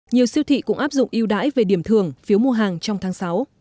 nhiều siêu thị cũng áp dụng yêu đáy về điểm thường phiếu mua hàng trong tháng sáu